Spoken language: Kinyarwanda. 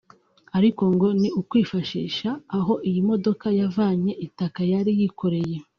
ariko ngo ni ukwifashisha aho iyi modoka yavanye itaka yari yikoreye